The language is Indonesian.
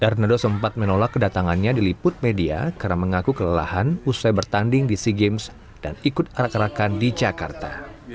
hernado sempat menolak kedatangannya diliput media karena mengaku kelelahan usai bertanding di sea games dan ikut arak arakan di jakarta